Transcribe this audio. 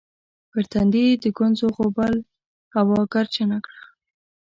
پر تندي یې د ګونځو غوبل هوا ګردجنه کړه